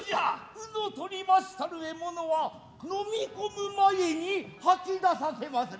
鵜の獲りましたる獲物は飲み込む前にはき出させまする。